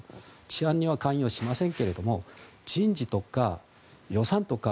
治安には関与しませんけれども人事とか予算とか。